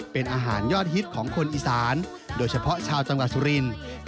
เป็นอาหารยอดฮิตของคนอีสาน